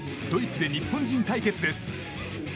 ドイツで日本人対決です。